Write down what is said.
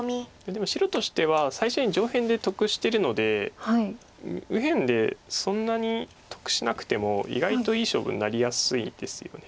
でも白としては最初に上辺で得してるので右辺でそんなに得しなくても意外といい勝負になりやすいですよね。